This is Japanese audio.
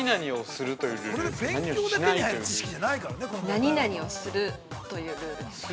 ◆何々をするというルールですか。